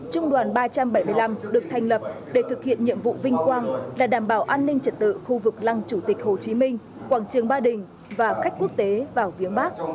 trung đoàn ba trăm bảy mươi năm được thành lập để thực hiện nhiệm vụ vinh quang là đảm bảo an ninh trật tự khu vực lăng chủ tịch hồ chí minh quảng trường ba đình và khách quốc tế vào viếng bắc